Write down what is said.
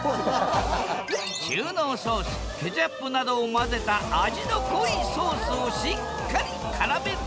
中濃ソースケチャップなどを混ぜた味の濃いソースをしっかりからめる。